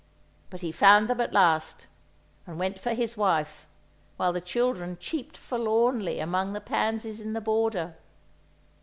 But he found them at last; and went for his wife, while the children cheeped forlornly among the pansies in the border.